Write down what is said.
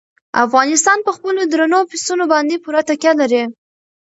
افغانستان په خپلو درنو پسونو باندې پوره تکیه لري.